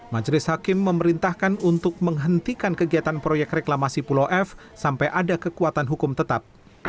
majelis hakim memerintahkan untuk menghentikan kegiatan proyek reklamasi pulau f sampai ada kekuatan hukum tetap